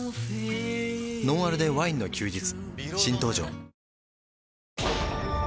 「ノンアルでワインの休日」